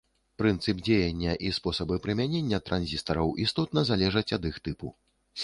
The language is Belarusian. Прынцып дзеяння і спосабы прымянення транзістараў істотна залежаць ад іх тыпу.